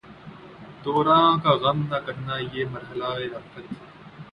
دوراں کا غم نہ کرنا، یہ مرحلہ ء رفعت